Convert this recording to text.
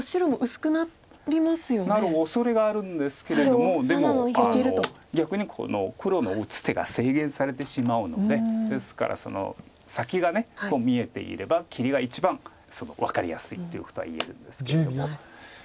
なるおそれがあるんですけれどもでも逆に黒の打つ手が制限されてしまうのでですから先が見えていれば切りが一番分かりやすいっていうことは言えるんですけれども。